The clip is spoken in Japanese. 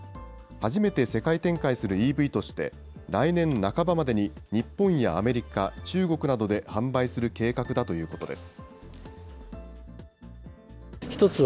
初めて世界展開するＥＶとして、来年半ばまでに日本やアメリカ、中国などで販売する計画だということです。